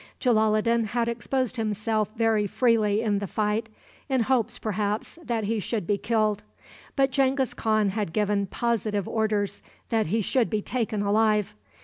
Jalaloddin had exposed himself very freely in the fight, in hopes, perhaps, that he should be killed. But Genghis Khan had given positive orders that he should be taken alive.